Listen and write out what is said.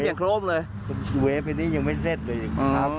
ตัวนี้ดีออกมาลงเลย